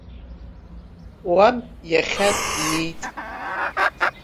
Уаб иахьа диит!